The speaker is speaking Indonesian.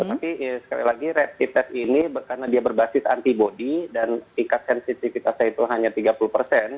tapi sekali lagi rapid test ini karena dia berbasis antibody dan tingkat sensitivitasnya itu hanya tiga puluh persen